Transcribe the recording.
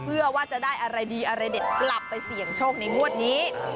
เพื่อว่าจะได้อะไรดีอะไรเด็ดกลับไปเสี่ยงโชคในงวดนี้